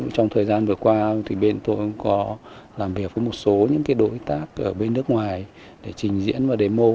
trong thời gian vừa qua bên tôi có làm việc với một số đối tác ở bên nước ngoài để trình diễn và demo